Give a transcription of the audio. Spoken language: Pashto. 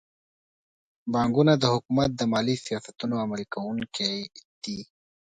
بانکونه د حکومت د مالي سیاستونو عملي کوونکي دي.